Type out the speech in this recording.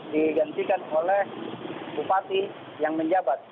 digantikan oleh bupati yang menjabat